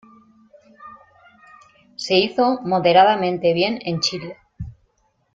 Se hizo moderadamente bien en Chile.